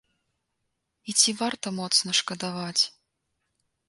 І ці варта моцна шкадаваць?